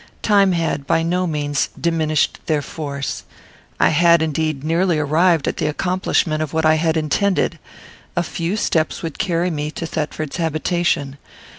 Time had, by no means, diminished their force. I had, indeed, nearly arrived at the accomplishment of what I had intended. A few steps would carry me to Thetford's habitation.